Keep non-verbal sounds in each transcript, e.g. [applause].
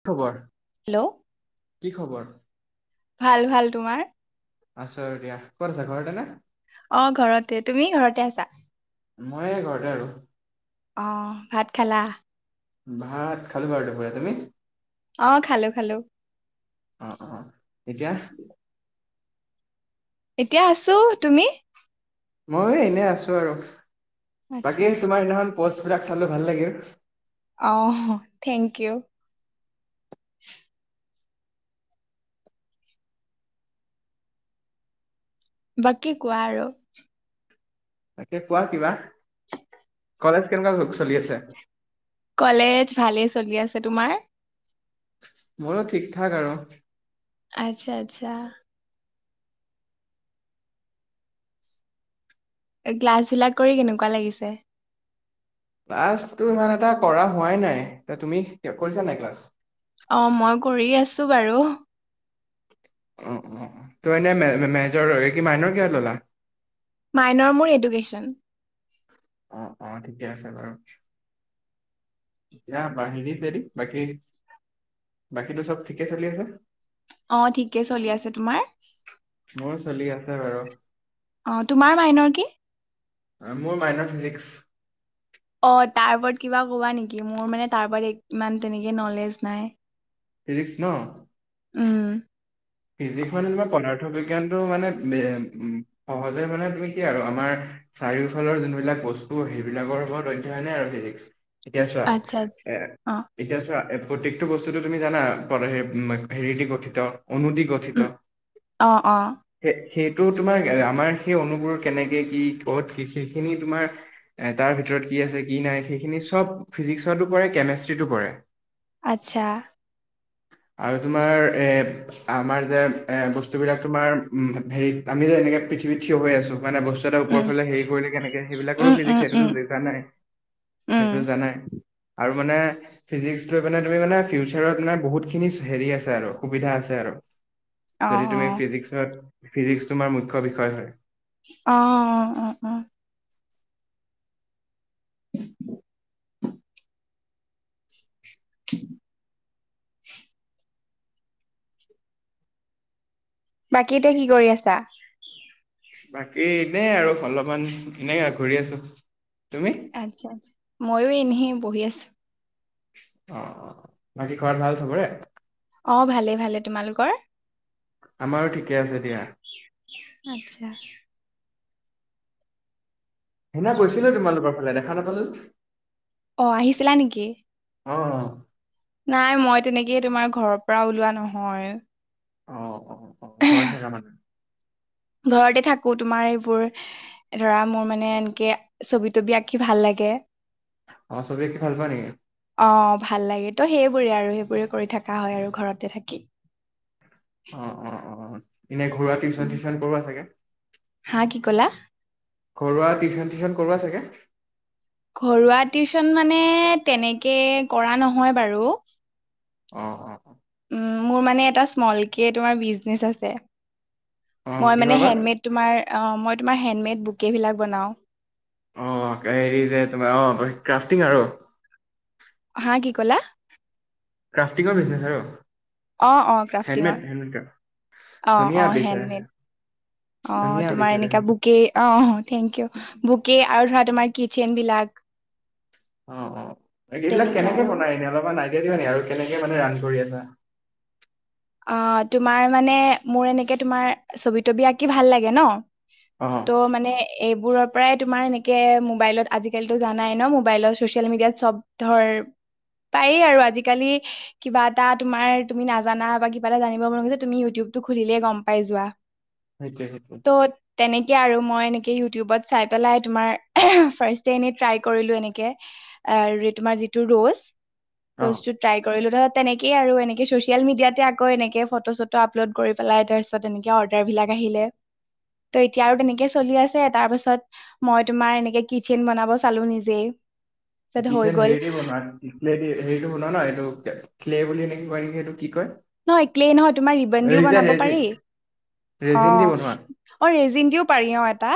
October. Hello ভাল, ভাল তোমাৰ? আছু আৰু দিয়া ক'ত আছা ঘৰতে নে? অ' ঘৰতে তুমি ঘৰতে আছা? মই ঘৰতে আছো। অ' ভাত খালা? ভাত খালো বাৰু দূপৰীয়া তুমি? অ' খালো, খালো। অ'অ' এতিয়া? এতিয়া আছো তুমি? মই এনে আছো আৰু আচ্ছা বাকী তোমাৰ সেইদিনাখন পষ্টবিলাক চালো ভাল লাগিল। অ' থেংক ইউ। বাকী কোৱা আৰু। তাকে কোৱা কিবা? কলেজ কেনেকুৱা চলি আছে? কলেজ ভালেই চলি আছে তোমাৰ? মোৰো ঠিক ঠাক আৰু। আচ্ছা, আচ্ছা। ক্লাছ বিলাক কৰি কেনেকুৱা লাগিছে? ক্লাছটো ইমান এটা কৰা হোৱাই নাই এ তুমি কৰিছা নাই ক্লাছ? অ' মই কৰি আছো বাৰু। অ'অ' ত এ-এনে মেনেজৰ হয় কি মাইনৰ কিহত ল'লা? মাইনৰ মোৰ এডুকেশ্যন। অ'অ' ঠিকে আছে বাৰু। দিয়া বাহৰি বেদি বাকী বাকীতো চব ঠিকে চলি আছে। অ' ঠিকে চলি আছে তোমাৰ? মোৰ চলি আছে বাৰু। অ' তোমাৰ মাইনৰ কি? মোৰ মাইনৰ ফিজিক্স। অ' তাৰ ওপৰত কিবা কবা নেকি মোৰ মানে তাৰ ওপৰত ইমান তেনেকে নলেজ নাই। ফিজিক্স ন? উম, ফিজিক্স মানে তোমাৰ পদাৰ্থ বিজ্ঞানটো মানে সহজে মানে তুমি কি আৰু আমাৰ চাৰিওফালৰ যোনবিলাক বস্তু সেইবিলাকৰ ওপৰত অধ্যয়নে আৰু ফিজিক্স। এতিয়া চোৱা আচ্ছা আচ্ছা এ অ এতিয়া চোৱা এ প্ৰত্যেকটো বস্তুটো তুমি জানা হেৰিদি গঠিত অনুদি গঠি উম, অ'অ' সেই সেইটো তোমাৰ আমাৰ সেই অনুবোৰ কেনেকে কি ক'ত কি সেইখিনি তোমাৰ এ তাৰ ভিতৰত কি আছে কি নাই সেইখিনি চব ফিজিক্সতো পৰে কেমেষ্ট্ৰিতো পৰে। আচ্ছা। আৰু তোমাৰ এ আমাৰ যে এ বস্তুবিলাক তোমাৰ উম, হেৰিত আমি যে এনেকে পৃথিৱীত থিয় হৈ আছো মানে বচ স্তু এটা ওপৰ উম, ফালে হেৰি কৰিলে কেনেকে সেইবিলাকৰো উম, উম, ফিজিক্স উম, সেইটোতো [unintelligible] উম, সেইটোতো জানাই। আৰু মানে ফিজিক্স লৈ পানে তুমি মানে ফিউচাৰত মানে বহুতখিনি হেৰি আছে আৰু সুবিধা আছে আৰু যদি অ', তুমি অ', ফিজিক্সত ফিজিক্স তোমাৰ মুখ্য বিষয় হয় অ'অ'অ' [inaudible] বাকীতে কি কৰি আছা? বাকী এনেই আৰু অলপমান এনেই আ ঘুৰি আছো তুমি? আচ্ছা, আচ্ছা, আচ্ছা ময়ো এনহে বহি আছো। [unintelligible] বাকী খবৰ ভাল চবৰে? অ'ভালে, ভালে তোমালোকৰ? আমাৰো, ঠিকেই আছে দিয়া। আচ্ছা। সেইদিনা গৈছিলোঁ তোমালোকৰ ফালে দেখা নাপালো? অ'আহিছিলা নেকি? অ'অ'অ' নাই মই তেনেকেই তোমাৰ ঘৰৰ পৰা ওলোৱা নহয়। অ'অ'অ' হয় চাগে মানে। ঘৰতে থাকো তোমাৰ এইবোৰ এ ধৰা মোৰ মানে এনকে ছবি-তবি আঁকি ভাল লাগে অ'ছবি আকি ভাল পোৱা নেকি? অ', ভাল লাগে ত' সেইবোৰেই আৰু সেইবোৰে কৰি থাকা হয় আৰু ঘৰতে থাকি। অ'অ'অ' এনে ঘৰুৱা টিউচন উম। চিউচন কৰোৱা চাগে? হা কি ক'লা? ঘৰুৱা টিউচন-চিউচন কৰোৱা চাগে? ঘৰুৱা টিউচন মানে তেনেকে কৰা নহয় বাৰু অ'অ' উম, মোৰ মানে এটা স্মলকে তোমাৰ বিজনেচ আছে অ', মই কিহৰ মানে বা? হেণ্ডমেড তোমাৰ অহ মই তোমাৰ হেণ্ডমেড বুকেইবিলাক বনাওঁ। অ'হেৰি যে তোমাৰ অ'ক্ৰাফটিং আৰু? হা কি ক'লা? ক্ৰাফটিংৰ বিজনেচ আৰু? অ' অ' হেণ্ডমেড ক্ৰাফটিংৰ, হেণ্ডমেড ক্ৰাফ্ট। অ' ধুনীয়া অ' পিছে হেণ্ডমেড। ধুনীয়া অ'তোমাৰ পিছে এনেকা দেখোন বুকে অহ, থেংক ইউ বুকে আৰু ধৰা তোমাৰ কিচেইন বিলাক অ'অ'এইবিলাক তেনেকে কেনেকে আৰু বনাই এনে অলপমান আইদিয়া দিবা নেকি আৰু কেনেকে মানে ৰান কৰি আছা? অ' তোমাৰ মানে, মোৰ এনেকে তোমাৰ ছবি-তবি আঁকি ভাল লাগে ন' অ', ত'মানে এইবোৰৰ পৰাই তোমাৰ এনেকে মোবাইলত আজিকালিতো জানাই ন মোবাইলত চচিয়েল মিডিয়াত চব ধৰ- পায়েই আৰু, আজিকালি কিবা এটা তোমাৰ তুমি নাজানা- বা কিবা এটা জানিব মন গ'লে, তুমি ইউটিউবটো খুলিলেই গম পাই যোৱা। সেইটোৱেই, সেইটোৱেই। ত' তেনেকেই আৰু, মই এনেকে ইউটিউবত চাই পেলাই তোমাৰ ফাৰ্ষ্ট ডে এনেই ট্ৰাই কৰিলোঁ এনেকে। আৰু তোমাৰ যিটো ৰৌজ- অ', ৰ'জটো ট্ৰাই কৰিলো, তাৰপিছত তেনেকেই আৰু এনেকে চচিয়েল মিডিয়াতে আক- কৌ এনেকে ফটো চটো আপলোড কৰি পেলাই, তাৰপিছত এনেকে অৰ্ডাৰ বিলাক আহিলে। ত' এতিয়া আৰু তেনেকেই চলি আছে, তাৰপাছত- মই তোমাৰ এনেকে কিচেন বনাব চালো নিজেই। তাৰপিছত হৈ কিচেন গ'ল হেৰি দি বনোৱা। কি আছিলে হেই হেৰিটো বনোৱা ন এইটো ক্লে বুলি এনেকে কয় নেকি সেইটো কি কয়? নহয় ক্লেই নহয় তোমাৰ ৰিবন দিও ৰিজেন বনাব ৰেজিন পাৰি- ৰেজিন দি অঁ, বনোৱা অঁ ৰেজিন দিও পাৰি অঁ এটা,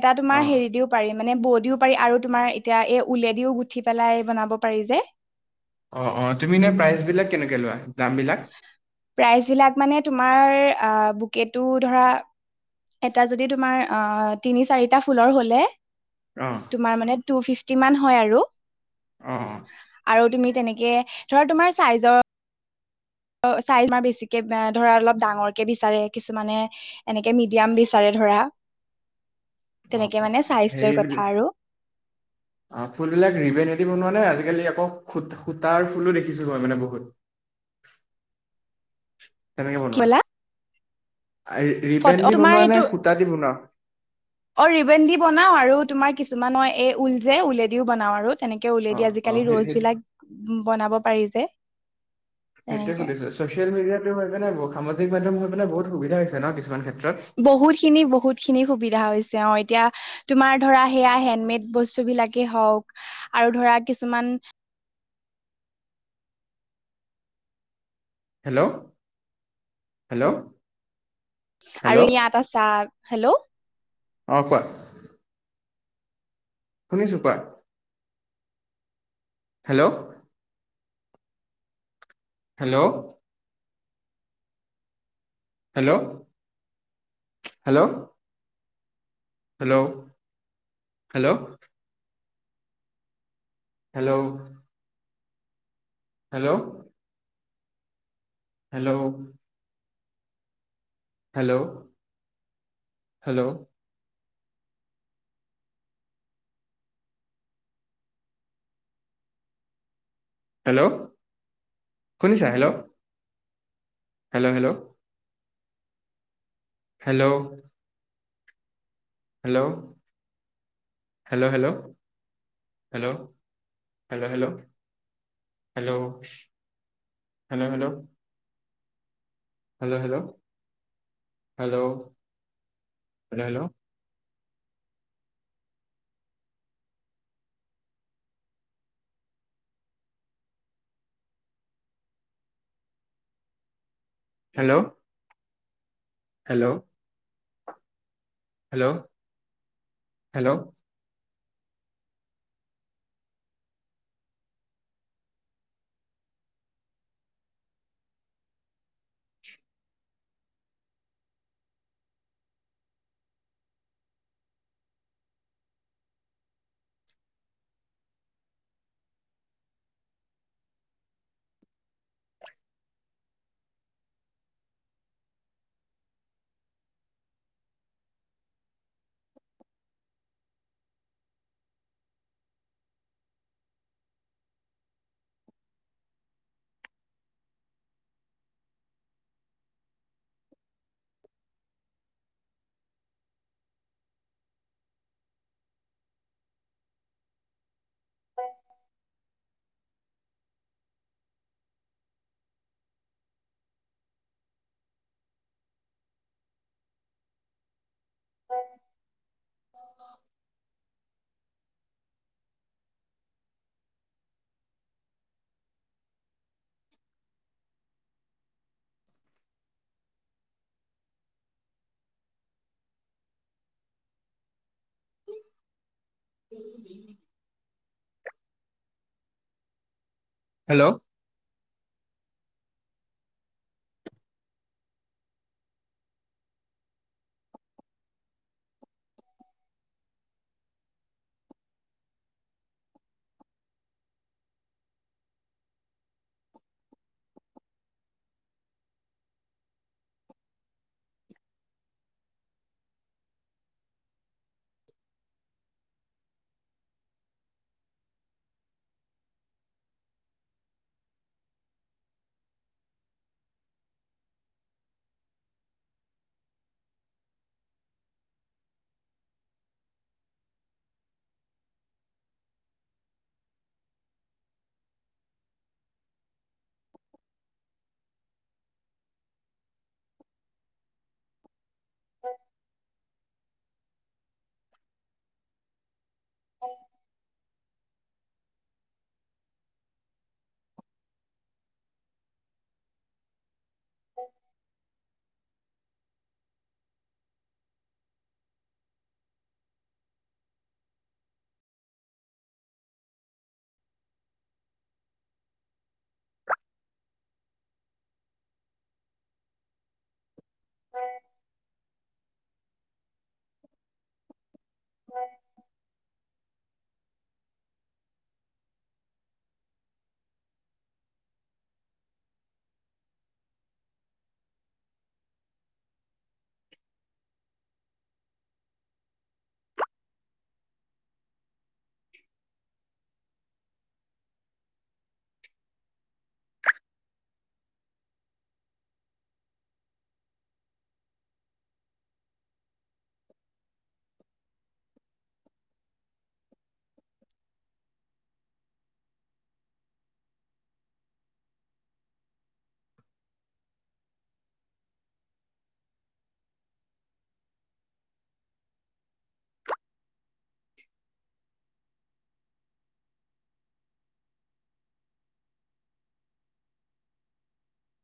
এটা অ তোমাৰ হেৰি দিও- পাৰি মানে ব দিও পাৰি আৰু তোমাৰ এতিয়া এ উলেদিও গুঠি পেলাই বনাব পাৰি যে। অঁ অঁ তুমি এনেই প্ৰাইচ বিলাক কেনেকে লোৱা দাম বিলাক? প্ৰাইচ বিলাক মানে তোমাৰ বুকেকো ধৰা- এটা যদি তোমাৰ অঁ তিনি চাৰিটা ফুলৰ হলে, - অঁ' তোমাৰ মানে টু ফিটি মান হয় আৰু, অ আৰু তুমি তেনেক- কে ধৰা, তোমাৰ চাইজৰ- অ চাইজ আমাৰ বেছিকে ধৰা অলপ ডাঙৰকে বিচাৰে কিছুমানে। এনেকে মিডিয়াম বিচাৰে ধৰা। অঁ তেনেকে অঁ, মানে চাইজ লৈ সেই- কথা আৰু অঁ ফুলবিলাক ৰিভেনেটি বনোৱা নে? আজিকালি আকৌ সূতাৰ ফুলো দেখিছো মই বহুত। কেনেকে কি বনোৱা? কলা ৰিবেন ফটো দি তোমাৰ বনোৱা সেইটো নে সূতা দি বনোৱা? অ' ৰিবেন দি বনাও আৰু, তোমাৰ কিছুমানৰ এ ঊল যে ঊলে দিও বনাওঁ আৰু। তেনেকে ঊলে অ দি আজিকালি অ সেই সেই ৰ'জ বিলাক বনাব পাৰি যে। সেইটোৱে তেনেকে সুধিছো, ছ'চিয়েল মিডিয়াটো হয় পিনাই সামাজিক মাধ্যম হৈ পিনাই বহুত সুবিধা হৈছে ন কিছুমান ক্ষেত্ৰত। বহুতখিনি বহুতখিনি সুবিধা হৈছে অঁ এতিয়া- তোমাৰ ধৰা সেয়া হেণ্ডমেড বস্তুবিলাকেই হওঁক আৰু ধৰা কিছুমান- হেল্লৌ' হেল্লৌ'। আৰু ইয়া এটা চা, হেল্লৌ'। অঁ কোৱা? শুনিছো, কোৱা? Hello hello hello hello hello hello! Hello hello! Hello hello hello hello শুনিছা, hello. Hello hello. Hello hello hello hello, hello, hello hello. Hello, hello hello! Hello hello hello hello hello. Hello. Hello. Hello hello. [unintelligible] [unintelligible] Hello [unintelligible] [inaudible] হয়। হয়। [inaudible] [inaudible]